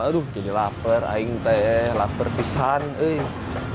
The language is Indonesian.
aduh jadi lapar aing lapar pisang